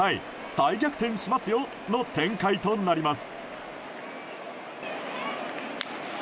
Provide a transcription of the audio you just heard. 再逆転しますよの展開となります。